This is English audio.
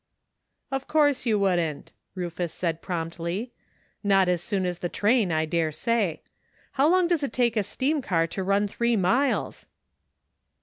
"Of course you wouldn't," Rufus said "^ PRETTY STATE OF THINGS:' 46 promptly, "not as soon as the train, I dare say. How long does it take a steam car to run three miles?"